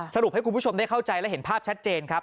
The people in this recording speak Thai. สรุปให้คุณผู้ชมได้เข้าใจและเห็นภาพชัดเจนครับ